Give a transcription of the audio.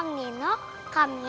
aku ini jadi diturbulin